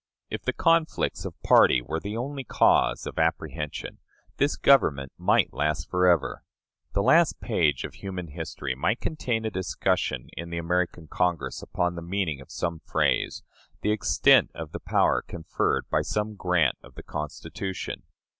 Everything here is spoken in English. If the conflicts of party were the only cause of apprehension, this Government might last for ever the last page of human history might contain a discussion in the American Congress upon the meaning of some phrase, the extent of the power conferred by some grant of the Constitution.